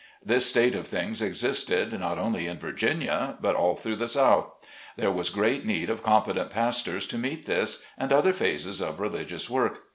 This state of things existed not only in Virginia, but all through the South. There was great need of competent pastors to meet this, and other phases of religious work.